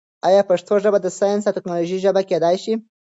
آیا پښتو ژبه د ساینس او ټیکنالوژۍ ژبه کېدای شي؟